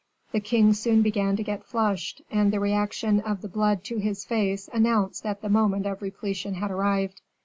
The king soon began to get flushed and the reaction of the blood to his face announced that the moment of repletion had arrived.